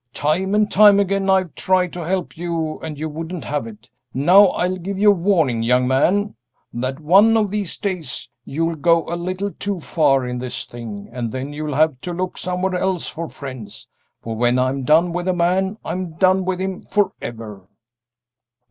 Time and time again I've tried to help you and you wouldn't have it. Now I'll give you warning, young man, that one of these days you'll go a little too far in this thing, and then you'll have to look somewhere else for friends, for when I'm done with a man, I'm done with him forever!"